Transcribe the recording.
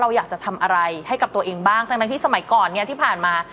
อยากจะทำอะไรให้กับตัวเองบ้างทั้งที่สมัยก่อนเนี่ยที่ผ่านมา